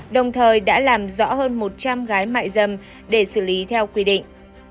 đồng thời đã làm rõ hơn một trăm linh gái mại dâm để xử lý theo quy định